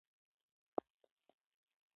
څېړنه د انسانانو او موږکانو ترمنځ ترسره شوه.